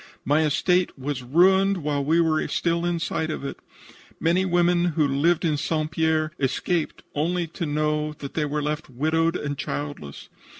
My estate was ruined while we were still in sight of it. Many women who lived in St. Pierre escaped only to know that they were left widowed and childless.